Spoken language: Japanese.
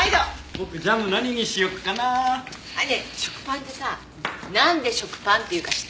食パンってさなんで食パンっていうか知ってる？